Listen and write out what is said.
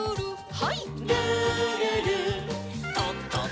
はい。